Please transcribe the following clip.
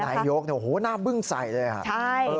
นายโยกโหหน้าเบื้องใสเลยค่ะใช่